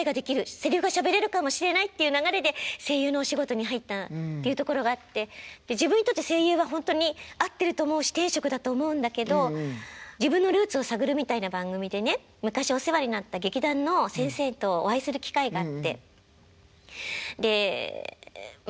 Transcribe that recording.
せりふがしゃべれるかもしれない」っていう流れで声優のお仕事に入ったっていうところがあって自分にとって声優はほんとに合ってると思うし天職だと思うんだけど自分のルーツを探るみたいな番組でね昔お世話になった劇団の先生とお会いする機会があってでまあ